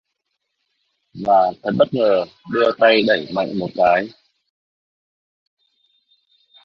Và thật bất ngờ đưa tay đẩy mạnh một cái